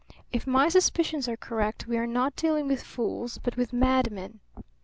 If my suspicions are correct we are not dealing with fools but with madmen.